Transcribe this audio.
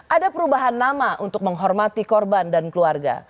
ada perubahan nama untuk menghormati korban dan keluarga